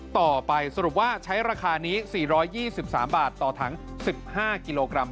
สรุปว่าใช้ราคานี้๔๒๓บาทต่อถัง๑๕กิโลกรัม